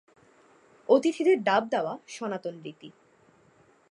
অতিথিদের ডাব দেওয়া সনাতন রীতি।